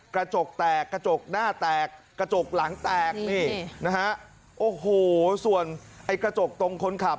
กระจกแตกกระจกหน้าแตกกระจกหลังแตกนี่นะฮะโอ้โหส่วนไอ้กระจกตรงคนขับ